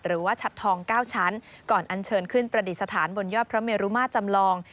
หรือว่าฉัดทอง๙ชั้นก่อนอันเชิญขึ้นประดิษฐานบนยอดพระเมรุมาจำลอง